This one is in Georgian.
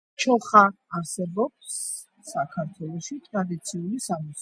ჩოხა არსებობს საქართველოში ტრადიციული სამოსი